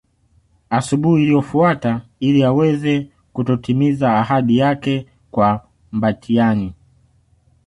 Asubuhi iliyofuata ili aweze kutotimiza ahadi yake kwa Mbatiany